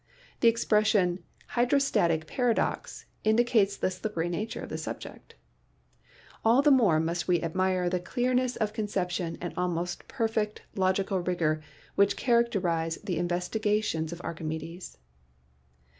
The expression "hydrostatic paradox" indicates the slippery nature of the subject. All the more must we admire the clearness of conception and almost perfect logi cal rigor which characterize the investigations of Archi medes.